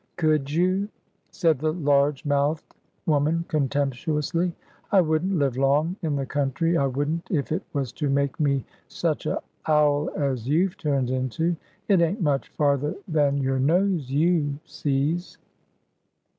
"Could you?" said the large mouthed woman, contemptuously. "I wouldn't live long in the country, I wouldn't, if it was to make me such a owl as you've turned into. It ain't much farther than your nose you sees!"